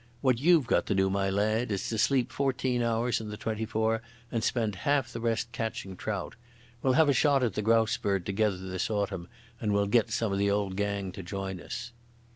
What you've got to do, my lad, is to sleep fourteen hours in the twenty four and spend half the rest catching trout. We'll have a shot at the grouse bird together this autumn and we'll get some of the old gang to join us."